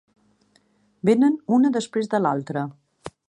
Vénen una després de l'altra.